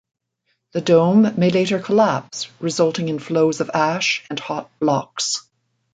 The dome may later collapse, resulting in flows of ash and hot blocks.